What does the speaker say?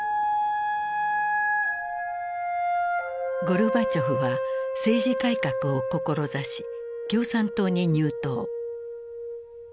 ゴルバチョフは政治改革を志し共産党に入党。